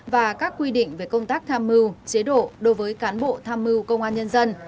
và các quy định về công tác tham mưu chế độ đối với cán bộ tham mưu công an nhân dân